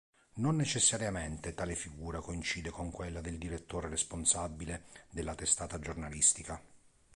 Non necessariamente tale figura coincide con quella del direttore responsabile della testata giornalistica.